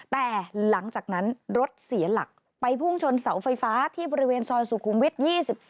แต่หลังจากนั้นรถเสียหลักไปพุ่งชนเสาไฟฟ้าที่บริเวณซอยสุขุมวิทย์๒๒